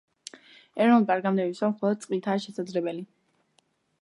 ეროვნულ პარკამდე მისვლა მხოლოდ წყლითაა შესაძლებელი.